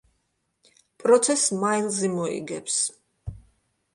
პროცესს მაილზი მოიგებს.